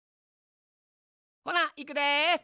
ほないくで。